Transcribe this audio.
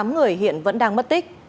tám người hiện vẫn đang mất tích